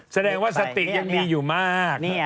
แสดงว่าสติยังมีอยู่มาก